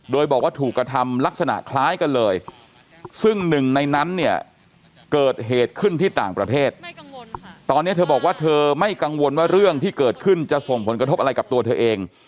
โดยบอกว่าถูกกระทำลักษณะคล้ายกันเลยซึ่งหนึ่งในนั้นเนี่ยเกิดเหตุขึ้นที่ต่างประเทศตอนนี้เธอบอกว่าเธอไม่กังวลว่าเรื่องที่เกิดขึ้นจะส่งผลกระทบอะไรกับตัวเธอเอง